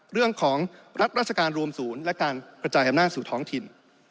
รัฐราชการรวมศูนย์และการกระจายอำนาจสู่ท้องถิ่น